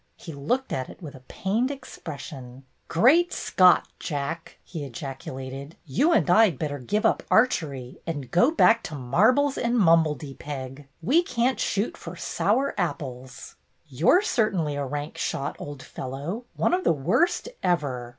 He looked at it with a pained expression. "Great Scott, Jack !" he ejaculated. "You and I 'd better give up archery and go back to marbles and mumbly peg ! We can't shoot for sour apples!" "You 're certainly a rank shot, old fellow; one of the worst ever!"